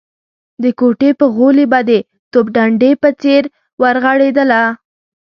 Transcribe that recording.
د کوټې په غولي به د توپ ډنډې په څېر ورغړېدله.